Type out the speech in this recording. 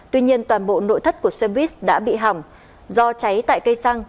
tuy nhiên toàn bộ nội thất của xe buýt đã bị hỏng do cháy tại cây xăng